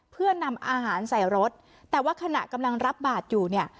เพื่อนำอาหารใส่รถแต่ว่าขณะกำลังรับบาทอยู่เนี่ย